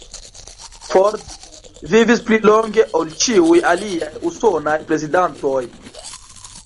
Ford vivis pli longe ol ĉiuj aliaj usonaj prezidantoj.